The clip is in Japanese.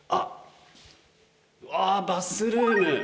バスルーム。